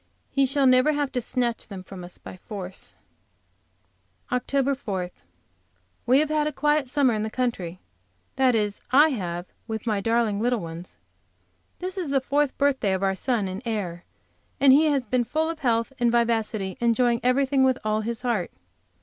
He shall never have to snatch them from us by force. OCT. 4. We have had a quiet summer in the country, that is, I have with my darling little ones. This is the fourth birthday of our son and heir, and he has been full of health and vivacity, enjoying everything with all his heart.